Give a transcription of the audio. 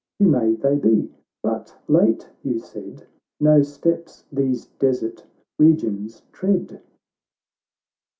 Who may they be ? But late you said No steps these desert regions tread